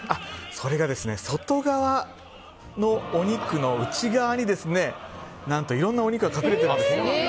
それが外側のお肉の内側に何といろんなお肉が隠れているんです。